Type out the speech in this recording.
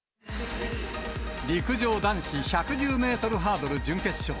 陸上男子１１０メートルハードル準決勝。